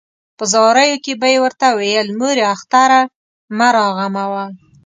په زاریو کې به یې ورته ویل مورې اختر مه راغموه.